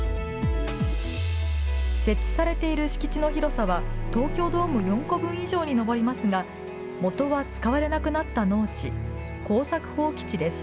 設置されている敷地の広さは東京ドーム４個分以上に上りますがもとは使われなくなった農地、耕作放棄地です。